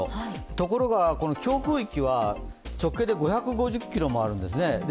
ところが、強風域は直径で５５０ｋｍもあるんですね。